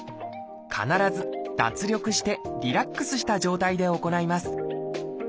必ず脱力してリラックスした状態で行います。